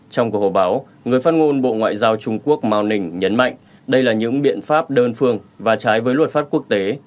trong cuộc họp báo người phát ngôn bộ ngoại giao trung quốc mào ninh nhấn mạnh đây là những biện pháp đơn phương và trái với luật pháp quốc tế